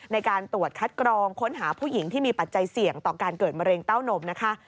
ในการตรวจคัดกรองค้นหาผู้หญิงที่มีปัจจัยเสี่ยงต่อการเกิดมะเร็งเต้านมนะคะ